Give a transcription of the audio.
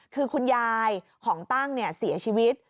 คือคุณยายของตั้งเสียชีวิต